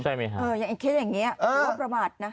ใช่ไหมครับคิดอย่างนี้ว่าประมาทนะ